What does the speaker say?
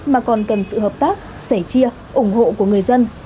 mà còn cần sự hợp tác sẻ chia ủng hộ của người dân